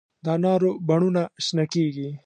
د انارو بڼونه شنه کیږي